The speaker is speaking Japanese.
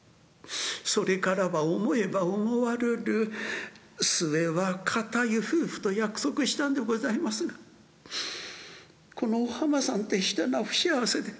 それからは思えば思わるる末は夫婦と約束したんでございますがこのお浜さんって人は不幸せで。